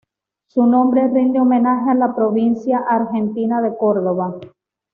Su nombre rinde homenaje a la provincia argentina de Córdoba.